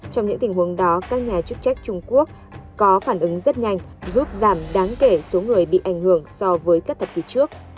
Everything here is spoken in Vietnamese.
trong những tình huống đó các nhà chức trách trung quốc có phản ứng rất nhanh giúp giảm đáng kể số người bị ảnh hưởng so với các thập kỷ trước